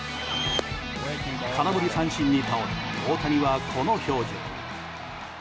空振り三振に倒れ大谷はこの表情。